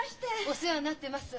お世話になってます。